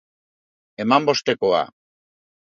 Eman bostekoa!